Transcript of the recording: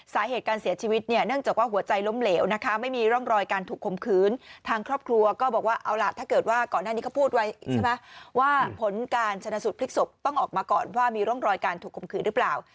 ถ้าเกิดว่าก่อนหน้านี้เขาพูดว่าผลการชนสูตรพริกศพต้องออกมาก่อนว่ามีร่องรอยกาศถูกควรหรือเปล่า